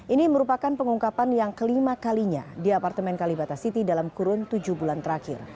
ini merupakan pengungkapan yang kelima kalinya di apartemen kalibata city dalam kurun tujuh bulan terakhir